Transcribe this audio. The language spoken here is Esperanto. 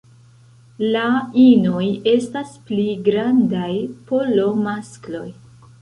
La inoj estas pli grandaj pl maskloj.